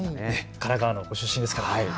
神奈川のご出身ですから。